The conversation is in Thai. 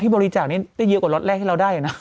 บริจาคนี้ได้เยอะกว่าล็อตแรกที่เราได้นะ